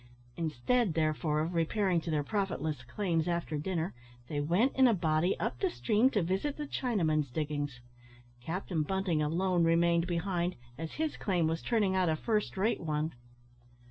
Instead, therefore, of repairing to their profitless claims after dinner, they went in a body up the stream to visit the Chinaman's diggings. Captain Bunting alone remained behind, as his claim was turning out a first rate one.